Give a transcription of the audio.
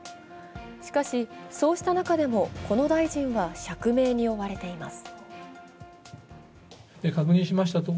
しかし、そうした中でも、この大臣は釈明に追われています。